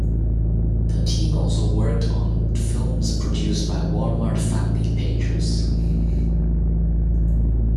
The team also worked on the films produced by Walmart family pictures.